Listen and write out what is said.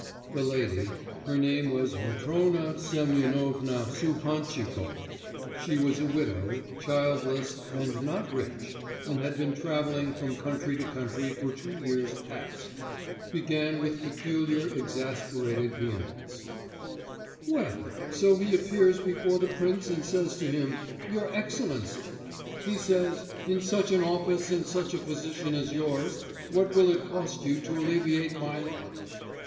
The lady (her name was Matrona Semyonovna Suhantchikov she was a widow, childless, and not rich, and had been travelling from country to country for two years past) began with peculiar exasperated vehemence: 'Well, so he appears before the prince and says to him: "Your Excellency," he says, "in such an office and such a position as yours, what will it cost you to alleviate my lot?